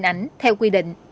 hình ảnh theo quy định